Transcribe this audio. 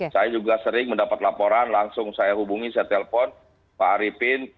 saya juga sering mendapat laporan langsung saya hubungi saya telepon pak arifin